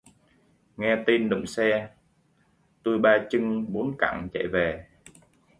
Nghe tin đụng xe, tui ba chưn bốn cẳng chạy về